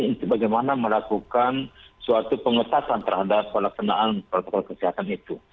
untuk bagaimana melakukan suatu pengetatan terhadap pelaksanaan protokol kesehatan itu